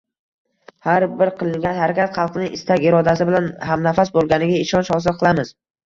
Har bir qilingan harakat xalqning istak-irodasi bilan hamnafas bo‘lganiga ishonch hosil qilamiz.